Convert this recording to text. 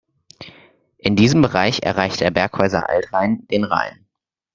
In diesem Bereich erreicht der Berghäuser Altrhein den Rhein.